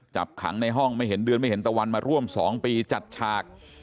จับขังในห้องไม่เห็นเดือนไม่เห็นตะวันมาร่วม๒ปีจัดฉาก